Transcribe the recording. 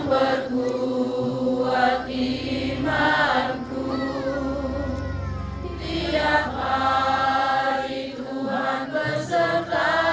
ferdi ilyas cnn indonesia